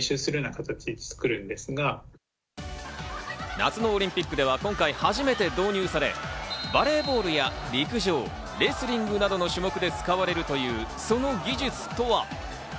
夏のオリンピックでは今回初めて導入され、バレーボールや陸上、レスリングなどの種目で使われるというその技術とは。